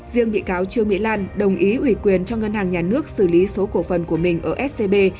riêng bị cáo trương mỹ lan đồng ý ủy quyền cho ngân hàng nhà nước xử lý số cổ phần của mình ở scb